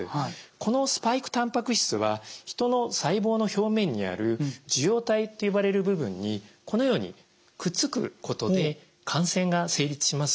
このスパイクたんぱく質は人の細胞の表面にある受容体と呼ばれる部分にこのようにくっつくことで感染が成立します。